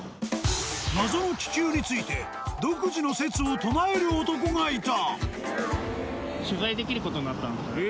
謎の気球について独自の説を唱える男がいた。